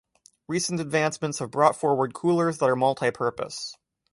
Recent advancements have brought forward coolers that are multipurpose.